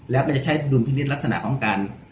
แล้วก็จะใช้ดุลพินิษฐ์ลักษณะของการ